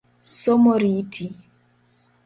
Somo riti.